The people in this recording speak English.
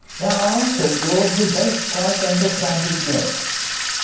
"Ah!" said George, "you don't quite understand it yet."